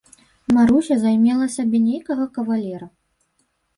Маруся займела сабе нейкага кавалера.